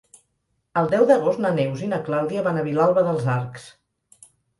El deu d'agost na Neus i na Clàudia van a Vilalba dels Arcs.